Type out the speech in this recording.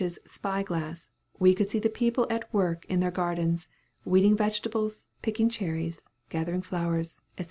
's spy glass, we could see the people at work in their gardens, weeding vegetables, picking cherries, gathering flowers, &c.